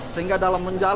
sehingga dalam menjalan